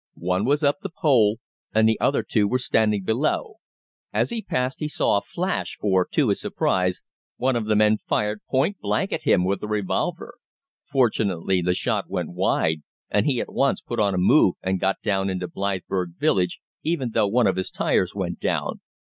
One was up the pole, and the other two were standing below. As he passed he saw a flash, for, to his surprise, one of the men fired point blank at him with a revolver. Fortunately, the shot went wide, and he at once put on a move and got down into Blythburgh village, even though one of his tyres went down.